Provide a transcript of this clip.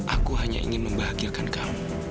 aku hanya ingin membahagiakan kamu